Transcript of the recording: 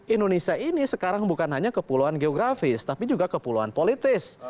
indonesia ini sekarang bukan hanya kepulauan geografis tapi juga kepulauan politis